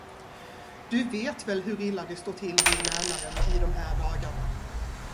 Du vet väl hur illa det står till vid Mälaren i de här dagarna.